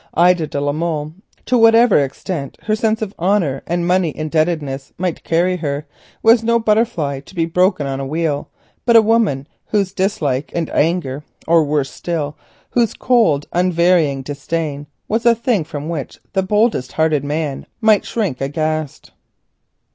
Ida de la Molle, to whatever extent her sense of honour and money indebtedness might carry her, was no butterfly to be broken on a wheel, but a woman whose dislike and anger, or worse still, whose cold, unvarying disdain, was a thing from which the boldest hearted man might shrink aghast.